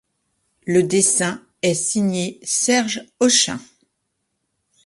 Le dessin est signé Serge Hochain.